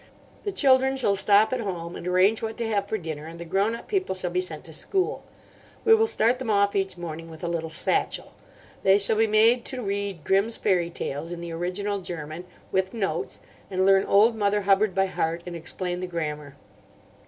The children shall stop at home and arrange what to have for dinner, and the grown up people shall be sent to school. We will start them off each morning with a little satchel. They shall be made to read 'Grimm's Fairy Tales' in the original German, with notes; and learn 'Old Mother Hubbard' by heart and explain the grammar."